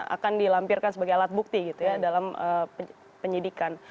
akan dilampirkan sebagai alat bukti gitu ya dalam penyidikan